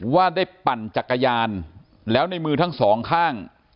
ว่าได้ปั่นจักรยานแล้วในมือทั้งสองข้าง